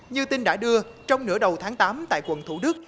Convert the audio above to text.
như tin đã đưa trong nửa đầu tháng tám tại quận thủ đức